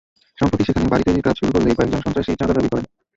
সম্প্রতি সেখানে বাড়ির তৈরির কাজ শুরু করলে কয়েকজন সন্ত্রাসী চাঁদা দাবি করেন।